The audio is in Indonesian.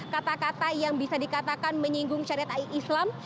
kata kata yang bisa dikatakan menyinggung syariat ai islam